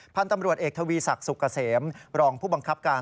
พันธุ์ตำรวจเอกทวีศักดิ์สุกเกษมรองผู้บังคับการ